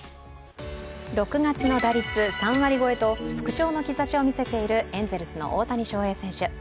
６月の打率３割超えと復調の兆しを見せているエンゼルスの大谷翔平選手。